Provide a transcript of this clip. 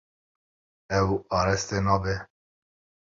Ew araste nabe.